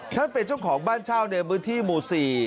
เป็นเจ้าของบ้านเช่าในพื้นที่หมู่๔